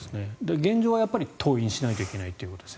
現状は登院しないといけないということですね。